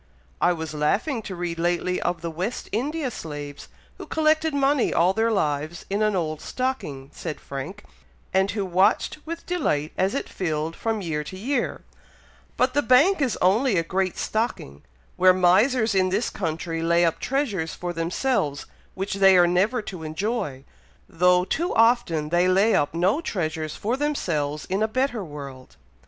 "I was laughing to read lately of the West India slaves, who collected money all their lives in an old stocking," said Frank, "and who watched with delight as it filled from year to year; but the bank is only a great stocking, where misers in this country lay up treasures for themselves which they are never to enjoy, though too often they lay up no treasures for themselves in a better world."